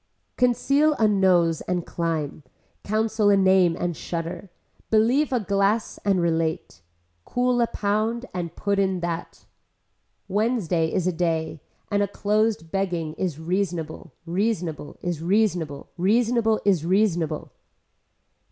Conceal a nose and climb, counsel a name and shudder, believe a glass and relate, cool a pound and put in that. Wednesday is a day and a closed begging is reasonable, reasonable, is reasonable, reasonable is reasonable.